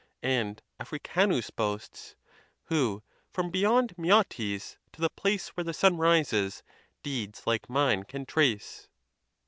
And Africanus boasts, Who, from beyond Meotis to the place Where the sun rises, deeds like mine can trace?